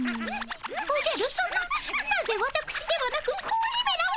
おじゃるさまなぜわたくしではなく子鬼めらを？